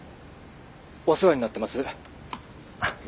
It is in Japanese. ☎お世話になってます。